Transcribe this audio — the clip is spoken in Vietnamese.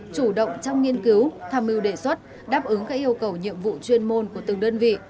chủ động trong nghiên cứu tham mưu đề xuất đáp ứng các yêu cầu nhiệm vụ chuyên môn của từng đơn vị